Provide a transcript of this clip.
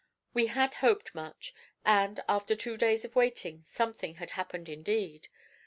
We had hoped much; and, after two days of waiting, something had happened indeed!